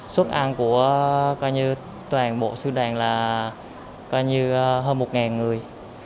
suất ăn của toàn bộ sư đoàn là hơn một người